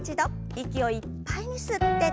息をいっぱいに吸って。